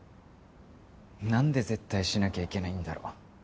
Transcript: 何で絶対シなきゃいけないんだろう